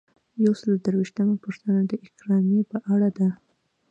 یو سل او درویشتمه پوښتنه د اکرامیې په اړه ده.